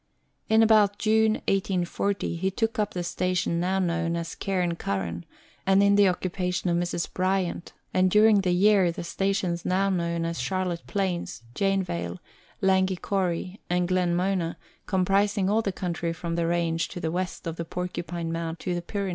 In about June 1840 he took up the station now known as Cairn Curran, and in the occupation of Mrs. Bryant, and during the year the stations now known as Charlotte Plains, Janevale, Langi Coorie, and Glenmona, comprising all the country from the range to the west of the Porcupine Mount to the Pyrenees.